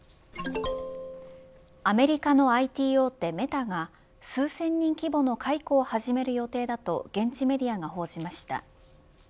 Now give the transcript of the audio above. アメリカのＩＴ大手メタが数千人規模の解雇を始める予定だと現地メディアが報じました。